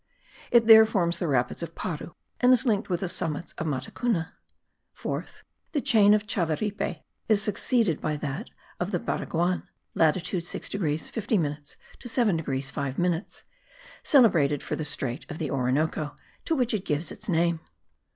It there forms the rapids of Paru and is linked with the summits of Matacuna. Fourth. The chain of Chaviripe is succeeded by that of the Baraguan (latitude 6 degrees 50 minutes to 7 degrees 5 minutes), celebrated for the strait of the Orinoco, to which it gives its name.